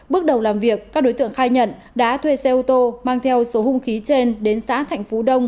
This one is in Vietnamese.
bước đầu làm việc các đối tượng khai nhận đã thuê xe ô tô mang theo số hung khí trên đến xã thạnh phú đông